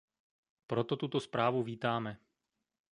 Proto tuto zprávu vítáme.